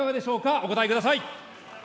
お答えください。